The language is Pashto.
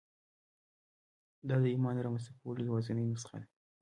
دا د ایمان د رامنځته کولو یوازېنۍ نسخه ده